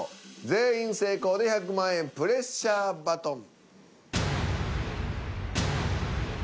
全員成功で１００万円プレッシャーバトン。